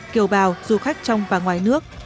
kiều bào du khách trong và ngoài nước